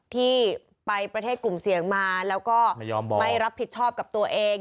ที่ไปประเทศกลุ่มเสี่ยงมาแล้วก็ไม่รับผิดชอบกับตัวเอง